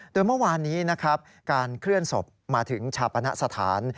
โดยเมื่อวานนี้นะครับการเคลื่อนศพมาถึงชาปณสถาน